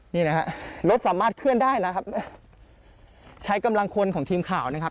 นี่นะฮะรถสามารถเคลื่อนได้แล้วครับใช้กำลังคนของทีมข่าวนะครับ